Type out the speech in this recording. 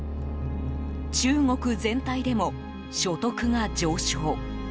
中国全体でも所得が上昇。